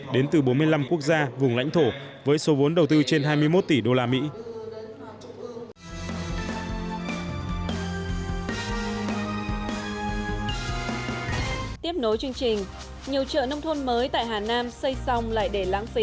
đến từ bốn mươi năm quốc gia vùng lãnh thổ với số vốn đầu tư trên hai mươi một tỷ usd